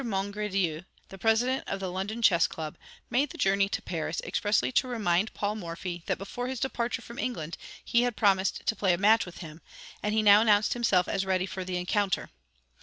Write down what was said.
Mongredieu, the President of the London Chess Club, made the journey to Paris expressly to remind Paul Morphy that before his departure from England, he had promised to play a match with him, and he now announced himself as ready for the encounter.